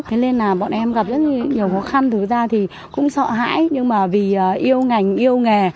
thế nên là bọn em gặp rất nhiều khó khăn thực ra thì cũng sợ hãi nhưng mà vì yêu ngành yêu nghề